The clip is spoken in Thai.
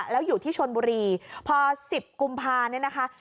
แล้วอยู่ที่ชนบุรีพอ๑๐กุมภาเนี่ยนะคะ